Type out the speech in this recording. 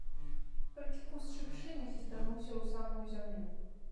Толькі куст шыпшыны хістануўся ў самую зямлю.